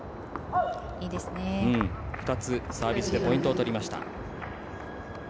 ２つサービスでポイントを取りました。